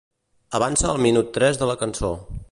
Avança al minut tres de la cançó.